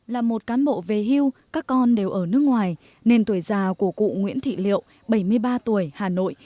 là một cán bộ về hưu các con đều ở nước ngoài nên tuổi già của cụ nguyễn thị liệu bảy mươi ba tuổi hà nội